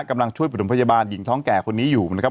กำลังช่วยประถมพยาบาลหญิงท้องแก่คนนี้อยู่นะครับ